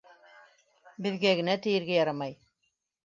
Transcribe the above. Беҙгә генә тейергә ярамай.